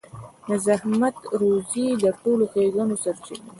د زحمت روزي د ټولو ښېګڼو سرچينه ده.